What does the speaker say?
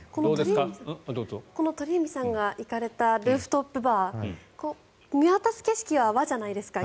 この鳥海さんが行かれたルーフトップバー見渡す景色は和じゃないですか。